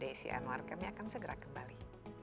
desi anwar kami akan segera kembali